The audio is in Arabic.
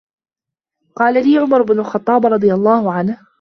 قَالَ لِي عُمَرُ بْنُ الْخَطَّابِ رَضِيَ اللَّهُ عَنْهُ